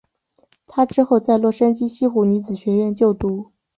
她之后在洛杉矶西湖女子学院就读。